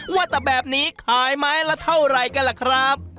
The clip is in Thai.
ว่าแต่แบบนี้ขายไม้ละเท่าไหร่กันล่ะครับ